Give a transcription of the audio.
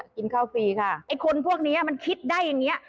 กินข้าวฟรีค่ะไอ้คนพวกนี้มันคิดได้อย่างนี้